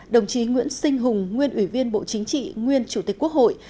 đồng chí nguyễn sinh hùng nguyên ủy viên bộ chính trị nguyên chủ tịch quốc hội